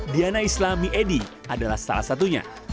diana islami edy adalah salah satunya